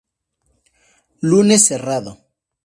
Lunes cerrado.